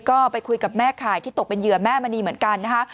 ก็ไปคุยกับแม่ข่ายที่ตกเป็นเหยื่อแม่มณีเหมือนกันนะคะ